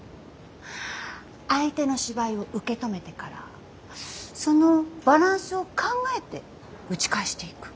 相手の芝居を受け止めてからそのバランスを考えて打ち返していく。